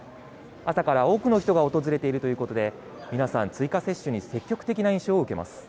朝から多くの人が訪れているということで、皆さん追加接種に積極